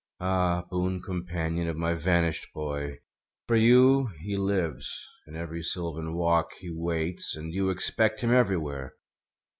Ah, boon companion of my vanished boy. For you he lives; in every sylvan walk He waits; and you expect him everywhere.